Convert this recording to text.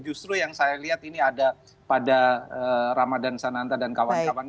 justru yang saya lihat ini ada pada ramadhan sananta dan kawan kawan